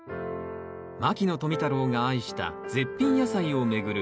牧野富太郎が愛した絶品野菜を巡る